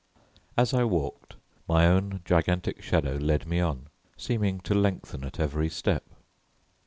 As I walked my own gigantic shadow led me on, seeming to lengthen at every step.